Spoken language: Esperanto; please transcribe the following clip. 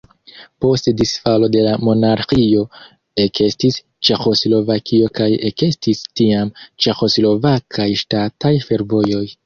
Post disfalo de la monarĥio ekestis Ĉeĥoslovakio kaj ekestis tiam Ĉeĥoslovakaj ŝtataj fervojoj.